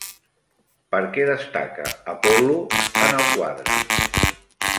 Per què destaca Apol·lo en el quadre?